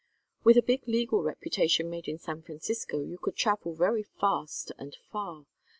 "With a big legal reputation made in San Francisco you could travel very fast and far.